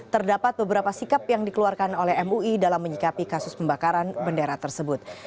terdapat beberapa sikap yang dikeluarkan oleh mui dalam menyikapi kasus pembakaran bendera tersebut